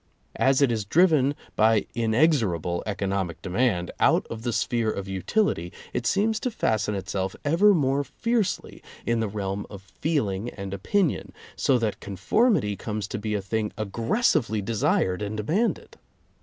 As it is driven by inexorable economic demand out of the sphere of utility, it seems to fasten itself ever more fiercely in the realm of feeling and opinion, so that con formity comes to be a thing aggressively desired and demanded.